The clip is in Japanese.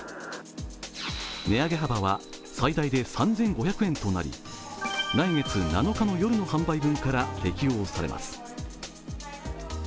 値上げ幅は最大で３５００円となり来月７日の夜の販売分から適用されます。